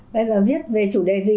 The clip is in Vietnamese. bây giờ viết về chủ đề gì